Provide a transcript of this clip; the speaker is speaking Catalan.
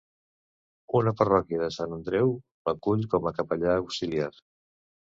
Una parròquia de Sant Andreu l'acull com a capellà auxiliar.